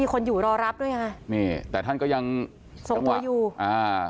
คนอยู่รอรับด้วยยังไงนี่แต่ท่านก็ยังส่งตัวอยู่อ่า